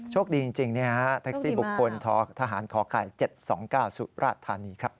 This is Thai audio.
โชคดีจริงแท็กซี่บุคคลทหารขอไข่๗๒๙สุรธานีครับ